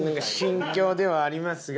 心境ではありますが。